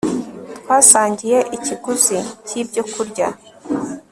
twasangiye ikiguzi cyibyo kurya